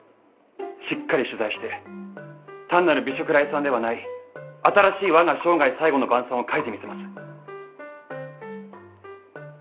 しっかり取材して単なる美食礼賛ではない新しい「我が生涯最後の晩餐」を書いてみせます。